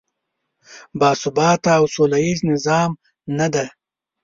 باثباته او سولیز نظام نه دی.